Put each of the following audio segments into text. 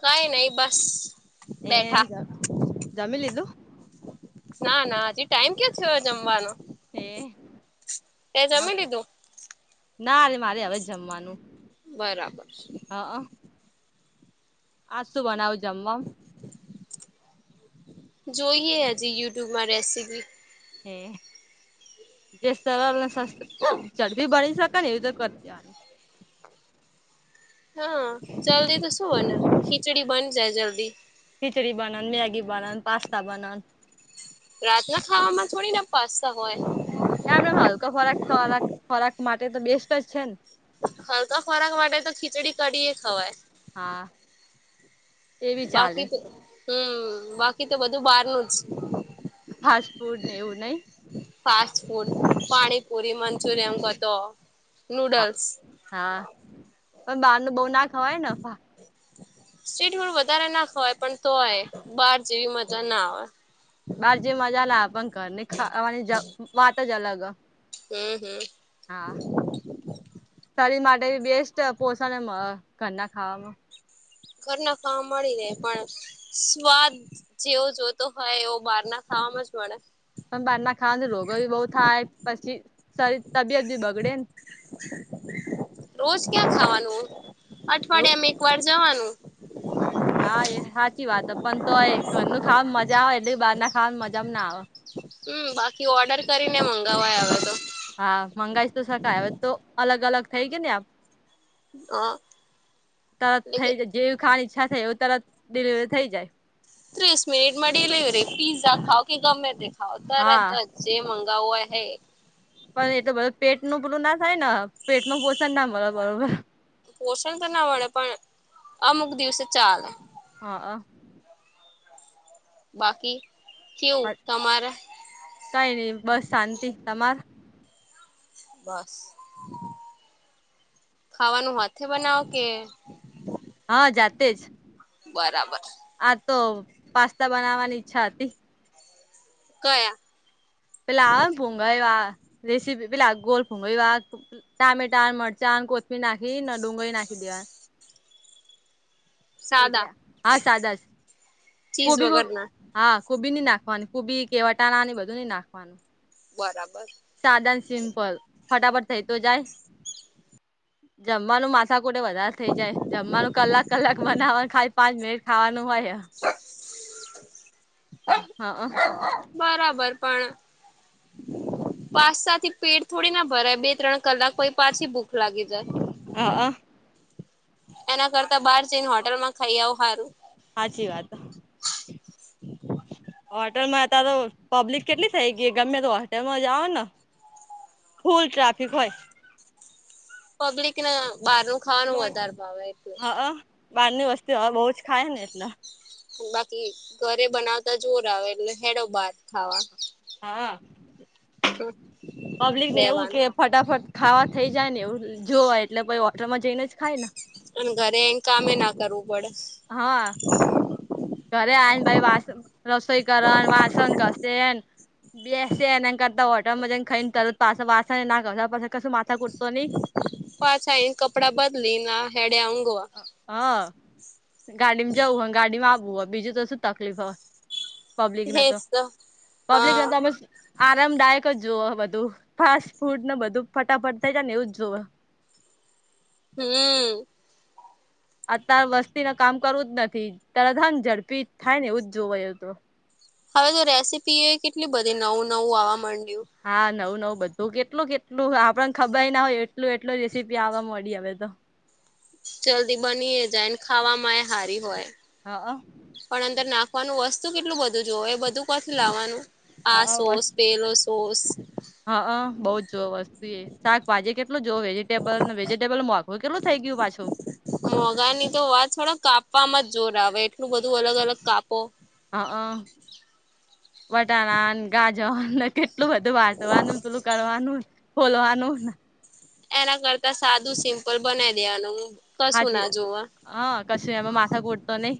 કઈ નઈ બસ ને બેઠા જ જમી લીધું. ના ના હજી ટાઈમ ક્યાં થયો જમવાનો. હે તે મ જમી લીધું નારે મારે હવે જમવાનું. બરાબર છે. હા અ આજ શું બનાવું જમવા [unintelligible] જોઈએ હજી યુટ્યુબમાં રેસીપી. એહ જે સરળ ને સસ, જડ દી બની એવી રીતે કરી દેવાની. હા જલ્દી તો શું બને? ખીચડી બન જાય જલ્દી. ખિચડી બનન, મેગી બનન, પાસ્તા બનન. રાતના ખાવામાં થોડીના પાસ્તા હોય. એમ એ હલકા ખોરાક ખોરાક ખોરાક માટે તો બેસ્ટ જ છે ને. હલકા ખોરાક માટે તો ખીચડી કઢીએ ખવાય. હા એ બી ચાલે બાકી તો હમ, બાકી તો બધું બારનું જ. ફાસ્ટફૂડ ને એવું નઈ? ફાસ્ટ ફૂડ, પાણીપુરી, મંચુરિયન કતો હા નૂડલ્સ. હા, પણ બારનું બહું ના ખવાય ને [inaudible] સ્ટ્રીટ ફૂડ વધારે ના ખવાય પણ તોય બાર જેવી મજા ના આવે. બાર જેવી મજા ના આવે પણ ઘરની ખાવાની જ વાત જ અલગ અ. હમ હમ. હા, શરીર માટે બેસ્ટ પોષણ એમ ઘરના ખાવામાં. ઘરના ખાવા મળી રહે પણ સ્વાદ જેવો જોતો હોય એવો બહારના ખાવામાં જ મળે. પણ બારના ખાવાની રોગો યે બહુ થાય, પછી શરીર તબિયત બી બગડે ને. રોજ ક્યાં ખાવાનું, ને અઠવાડીયામાં એકવાર જવાનું. હા એ હાચી વાત હે પણ તોય ઘરનું ખાવાનું મજા આવે, એટલે બહાર ના ખાવાની મજામાં ના આવે. હમ બાકી ઓર્ડર કરીને મંગાવાય હવે તો. હા મંગાઈશ તો સકાય હવે તો અલગ અલગ થઈ ગયું ને આ હા તરત થઇ જા, જેવી ખાવાની ઇચ્છા થાય એવું તરત ડિલિવરી થઇ જાય. ત્રીસ મિનિટમાં ડિલિવરી. પીઝા ખાવ કે ગમે તે ખાવ તરત હા જ. જે મંગાવુ એહે પણ એ તો બધું પેટનું પલું ના થાય ન, પેટ નું પોષણ ના મળે બરોબર. પોષણ તો ના મળે પણ અમુક દિવસે ચાલે. હહ અ. બાકી, કેવું તમારે? કઈ નઈ બસ શાંતિ. તમાર? બસ. ખાવાનું હાથે બનાવો કે હા જાતે જ. બરાબર. આ તો પાસ્તા બનાવાની ઈચ્છા હતી. ક્યા? પેલા આવ ને ભૂંગળી વાળા રેસીપી પેલા આ ગોલ ભૂંગળી વાળા. ટામેટા, મરચા ને કોથમીર નાખી ને ડુંગળી નાખી દેવાની. એ સાદા રયા હા સાદા જ. ચીઝ કોબી બોબી વગરના હા કુબી ની નાખવાની. કુબી કે વટાણાને એ બધું નઈ નાખવાનું. બરાબર. સાદા ને સિમ્પલ, ફટાફટ થઈ તો જાય. જમવાનું મા માથાકૂટ વધારે થઇ જાય. જમવાનું કલાક કલાક બનાવવાનું ખાલી પાંચ મિનિટ ખાવાનું હોય હે. હ અ બરાબર પણ પાસ્તાથી પેટ થોડી ના ભરાય. બે ત્રણ કલાક પહિ પાછી ભૂખ લાગી જાય. હા એના કરતા બહાર જઈને હોટલમાં ખાઈ આવ હારું. હાચી વાત. હોટેલમાં અતાર તો પબ્લિક કેટલી થઈ ગઈ ગમે તે હોટેલમાં જાઓન ફુલ ટ્રાફિક હોય. પબ્લિક ન બહારનું ખાવાનું પણ વધારે ભાવે એટલે હ અ, બારની વસ્તુ હવ બઉ જ ખાય ને એટલે બાકી ઘરે બનાવતા જોર આવે એટલે હેંડો બાર ખાવા. હા આ પબ્લિક ને એવું કે રેવાનું ફટાફટ ખાવા થઈ જાય ને એવું જોવાય એટલે પહિ હોટલમાં જઈને જ ખાય ન અને ઘરે આઈ ને કામે ના કરવું પડે હા. [inaudible] ઘરે આઈ ને પાહિ વાસ, રસોઈ કરે ન, વાસણ ઘસે ન બેસે એને કરતા હોટરમાં જઇન ખાઈને તરત પાછા વાસણ એ ના ઘસ પછે કશું માથા ખૂટ તો નહી પાછા આયને કપડા બદલી ને આ હેડયા ઊંઘવા. હ અ અ ગાડીમાં જવું હોય, ગાડીમાં આવવું હોય, બીજું તો શું તકલીફ હવે પબ્લિકને તો હા પબ્લિકને તો બસ આરામદાયક જ જોવહ બધું ફાસ્ટ ફૂડ ન ફટાફટ થઇ જાય ને જ જોવહ હમ્મ. અતાર વસ્તી ન કામ કરવું જ નથી તરત આમ ઝડપી થાય ને એવું જ જોવ એ તો હવે તો રેસીપી એ કેટલી બધી નવું નવું આવવા મડય્યું. હા નવું નવું બધું કેટલું કેટલું આપણને ખબર એ ના હોય એટલું એટલ રેસીપી આવે મળી હવે તો. જલ્દી બની એ જાય ને ખાવા એ હારી હોય. હ અ. પણ અંદર નાખવાનું વસ્તુ કેટલું બધું જોવે એ બધું કો થી લાવવાનું. આ સોસ, પેલો સોસ. હ અ, બઉ જ જોવ વસ્તુ એ શાકભાજી કેટલું જોવે. વેજીિટેબલ ને વેજીિટેબલ મોઘું કેટલું થઈ ગયું પાછું. મોંઘાની તો વાત છોડોને કાપવાવામાં જોર આવે એટલું બધું અલગ અલગ કાપો. હ અ, વટાણા ને ગાજર ને કેટ લું બધું રાંધવાનું પહેલું કરવાનું, ફોલવાનું ન એના કરતા સાદું સિમ્પલ બનાઈ દેવાનું. કશું હાચી ના વાત, જોવા હ કશું એમાં માથા ખૂટ તો નહી.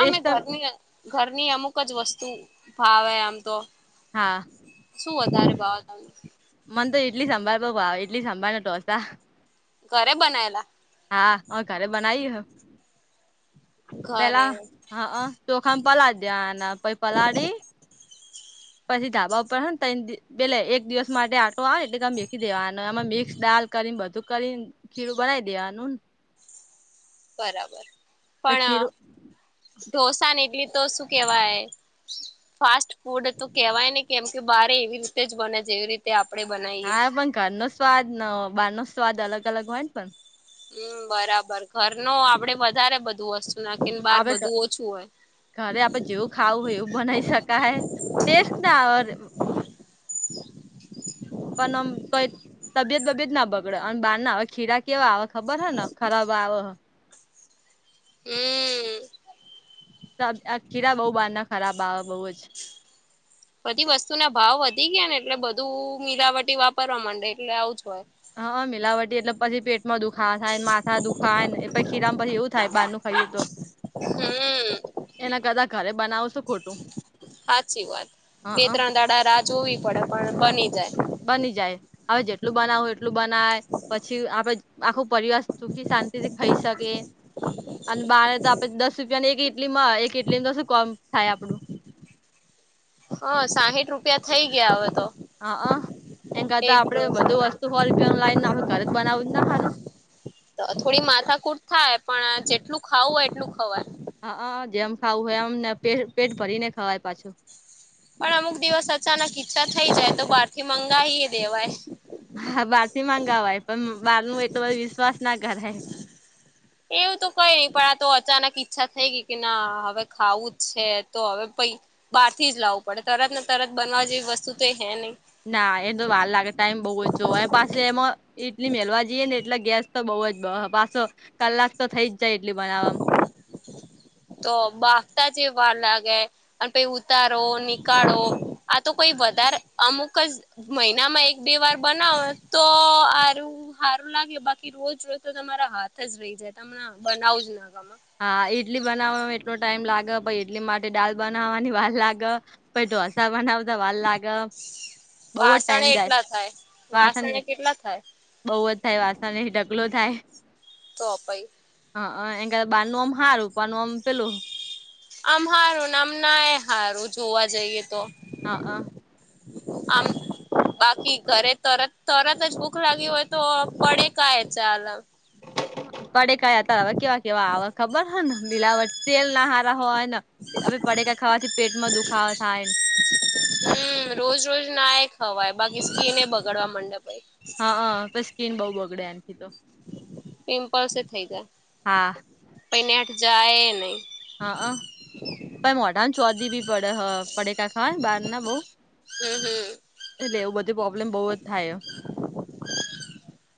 અમે ઘરની અ ઘરની અમુક જ વસ્તુ ભાવે આમ તો. હા શું વધારે ભાવે તમને? મને તો ઈડલી સંભાર બઉ ભાવે. ઇડલી સંભાર ને ઢોંસા. ઘરે બનાયેલા? હા અમે ઘરે બનાઈ હ. ઘરે પેલા હ અ. ચોખામાં પલાડ દેવના પહિ પલાડી પછી ધાબા ઉપર હ ન તઈણ દી પેહલે એક દિવસ માટે આથો આવે એટલે [unintelligible] દેવાનો. આમાં મિક્સ દાલ કરીન બધું કરીને ખીરું બનાવી દેવાનુંન બરાબર, તો ખીરું પણ ઢોસા ને ઈડલી તો શું કેવાય ફાસ્ટ ફૂડ તો કેવાયન ને કેમ કે બારે એવી જ બને છે જેવી રી તે આપણેે બનાઈએ. ઘર નો સ્વાદ નો બહાર નો સ્વાદ અલગ અલગ હોય ને પણ. હમ્મ બરાબર ઘર ન આપડે વધારે બધું વસ્તુ નાખીને બાર આપડે બધું ઓછું હોય. ઘરે આપડે જેવું ખાવું હોય એવું બનાવી શકાય ટેસ્ટ ના આવે પણ આમ તોઈ તબિયત બબિયત ના બગડે અને બહાર ના આવે ખીરા કેવા આવે ખબર હ ખરાબ આવહ. હમ્મ. તહ આ ખીરા બહુ બાર ના ખરાબ આવે બહુ જ. બધી વસ્તુ ના ભાવ વધી ગયા ને એટલે બધું મિલાવટી વાપરવા માંડે એટલે આવું જ હોય. હા મિલાવટી એટલે પછી પેટમાં દુખાવા થાય માથા દુખાય ને પછી ખીરામાં પછી એવું થાય બહાર નું ખાઈ તો [inaudible] [unintelligible] હમ્મ. એના કરતા ઘરે બનાવ હાચી વાત બે હ ત્રણ દાડા રાહ જોવી પડે પણ બની જાય. બની જાય હવે જેટલું બનાવું એટલું બનાય પછી આપડે આખું પરિવાર સુખી શાંતિ થી ખાઈ શકે અને બાર તો આપડે દસ જને એક ઇટલી માં એક ઇટલી તો શું કોમ થાય આપડું. હ સાહીઠ રૂપિયા થઈ ગયા હવે તો. હ અહ એમ કરતા એક આપડે બધું ઢોસાના. વસ્તુ હો રૂપિયા લઈને આપણે ઘરે જ બનાવું જ ના હારું. તો અહ થોડી માથાકૂટ થાય પણ જેટલું ખાવું હોય એટલું ખવાય. હ અહ જેમ ખાવું હોય એમને પેટ પેટ ભરી ને ખવાય પાછું. પણ અમુક દિવસ અચાનક ઈચ્છા થઈ જાય તો બહાર થી મંગાવી દેવાય. હા બહાર થી મંગાવાય પણ બાર નું એટલો બધો વિશ્વાસ ના કરાય. એવું તો કઈ નહી પણ આ તો અચાનક ઈચ્છા થઈ ગઈ કે ના હવે ખાવું જ છે તો હવે પઈ બહારથી જ લાવું પડે તરત ને તરત બનાવા જેવી વસ્તુ તો હે નહી. ના એ તો વાર લાગે ટાઈમ બહું જ જોવ પાછું એમાં ઈટલી મેલવા જઈએ ને એટલે ગેસ તો બઉુ જ પાછો કલાક તો થઈ જ જાય એટલી બનાવવા. [unintelligible] [inaudible] તો બાફતા જ એ વાર લાગે. અન પે ઉતારો નીકાળો આ તો કોઈ વધારે અમુંક જ મહિનામાં એક બે વાર બનાવો તો આરું હારું લાગે બાકી રોજ રોજ તો તમારા હાથ જ રહી જાય તમ બનાવ જ ના ગમે. હા ઇડલી બનાવવામાં એટલો ટાઈમ લાગ પાઈ ઈડલી માટે દાલ બનાવાની વાર લાગે. પહિ ડોસા બનાવતા વાર લાગે. બહુ જ પાસણે ટાઈમ જાય એટલા થાય વાસણ એ વાસણે કેટલા થાય. બહુ જ થાય વાસણને ઢકલો થાય. તો અપાઈ. હ અહ એમ બાર નું આમ હારૂ ઉપારનું આમ પેલું આમ હારુંને આમ ના એ હારું જોવા જઈએ તો. હા હ. આમ. બાકી ઘરે તરત તરત જ ભૂક લાગી હોય તો પડે કાય ચાલા. પડે કયા તાર હવે કેવા કેવા હ ખબર હો ને બિલાવટ તેલ ના હારા હોય ને તે હવે પડેકા ખાવાથી પેટમાં દુખાવો થાય ને હમ્મ. રોજ રોજ ના એ ખવાય બાકી સ્કીને બગડવા મંડે પહે. હા બસ સ્કીન બહુ બગડે એનાથી તો. પિંપલ્સ એ થઈ ગયા. હા. [unintelligible] જાય નહી. હા પર મોઢાનું [unintelligible] બી પડે હ પડેકા ખાય બહારના બહુ હમ. હમ. એટલે એવું બધું પ્રોબ્લેમ બહુ જ થાય.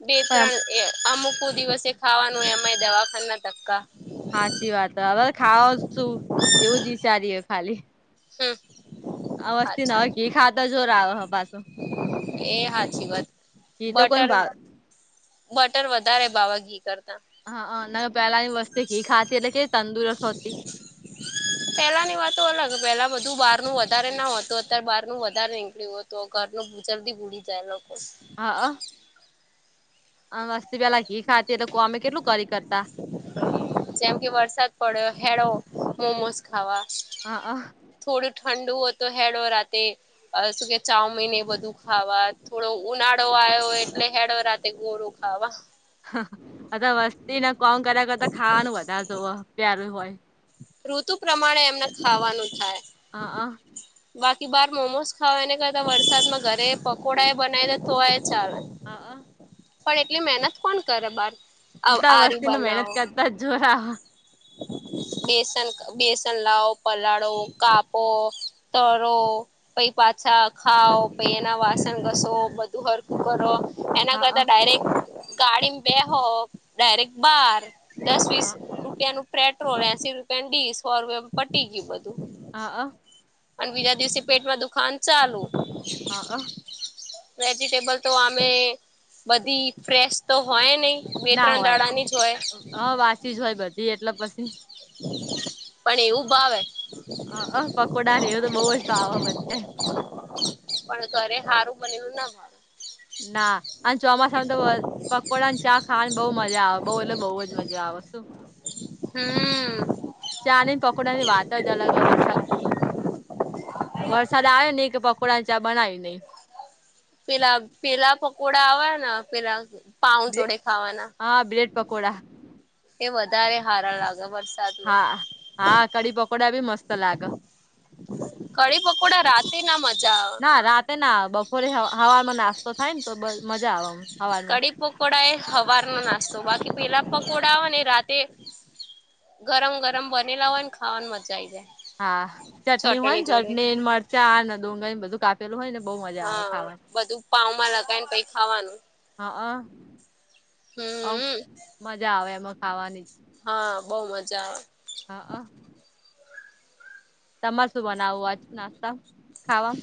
બે પણ એમ ત્રણ એ અમુક દિવસે ખાવાનું એમાંય દવાખાના ધક્કા સાચી વાત હવે ખાઓ શું એવું જ વિચારીએ ખાલી. હમ. આ વસ્તી ના હોય હાચી ઘી ખાતા જોર આવે પાછો. એ હાચી વાત ઘી તો કોને બટર ભાવે. બટર વધારે ભાવે ઘી કરતા. હા. હા. ના પહેલાની વસ્તી ઘી ખાતી એટલે કે તંદુરસ્ત હોતી. પહેલાની વાત તો અલગ પેલા બધું બહારનું વધારે ના હોતું અત્યારે બહારનું વધારે નીકળ્યું હતું. તો ઘરનું જલ્દી ભૂલી જાય લોકો હા. હા. વસ્તી પહેલા ઘી ખાતી એટલે કામ કેટલું કરી કરતા. જેમ કે વરસાદ પડ્યો ચાલો મોમોસ ખાવા. હા. હા. થોડું ઠંડુ હો તો ચાલો રાતે. શું કે ચાઉમીન એ બધું ખાવા થોડો ઉનાળો આવ્યો એટલે ચાલો રાતે ગોળો ખાવા હા આતો વસ્તીને કામ કર્યા કરતા ખાવાનું વધારે જોવો પ્યારું હોય. ઋતુ પ્રમાણે એમને ખાવાનું થાય. હા. હા. બાકી બહાર મોમોસ ખાવા એને કરતા વરસાદમાં ઘરે પકોડા એ બનાવી દે તો પણ ચાલે. હા. હા. પણ એટલી મહેનત કોણ કરે બહાર આટલા બહાર [unintelligible] વસ્તીને બનાવો. [unintelligible] બેસન બેસન લાઓ, પલાળો, કાપો, તરો. પછી પાછા ખાઓ પછી એના વાસણ ઘસો બધું સરખુ કરો. એના હા કરતા ડાયરેક્ટ ગાડીમાં બેસો ડાયરેક્ટ બહાર. દસ હ વીસ રૂપિયા નું પેટ્રોલ એસી રૂપિયાની ડીઝ. [unintelligible] પટી ગયું બધું અને બીજા દિવસે પેટમાં દુખાવા નુ ચાલુ હા. હા. વેજીટેબલ તો આમે બધી ફ્રેશ તો હોય નહી. બે ના ત્રણ હોય. દાડાની જ હોય હા વાસી જ હોય બધી એટલે પછી પણ એવું ભાવે હા. હા. પકોડા ને એવું તો બોવ જ ભાવે મને- પણ ઘરે સારું બનેલું ના હોય. ના અને ચોમાસામાં તો પકોડા ને ચા ખાવાને બહુ મજા આવે બહુ એટલે બહુ જ મજા આવે. હમ્મ. ચાની ને પકોડા ની વાત જ અલગ વરસાદમાં તો વરસાદ આવે ને કે પણ આ ચા બના ઈ જ નહી. પેલા પેલા પકોડા આવે ન પેલા પાઉ જોડે ખાવાના હા બ્રેડ પકોડા એ વધારે હારા લાગ મસ હા હા કડી-પકોડા બી મસ્ત લાગ. કડી પકોડા રાતે ના મજા આવે. ના રાતે ના આવે બપોરે હ-હવારમાં નાસ્તો થાય ન તો બસ મજા આવે હવારમાં. કડી પકોડા એ હવાર નો નાસ્તો બાકી પેલા પકોડા આવેને એ રાતે ગરમ ગરમ બનેલા હોયને ખાવા મજા આઈ જાય. હા ચટણી હોય ને ચટણી, ન મરચા ન ડુંગળી બધું કાપેલું હોય ને બહુ મજા આવે હા ખાવાની. બધું પાવમાં લગાઈ ને પહિ ખાવાનું. હઅ ઓમ હમ મજા આવે એમાં ખાવાની. હા બઉ મજા આવે. હઅ તમારે શું બનાવું આજ નાસ્તા માં ખાવામ.